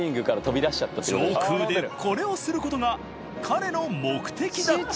上空でこれをする事が彼の目的だったのだ。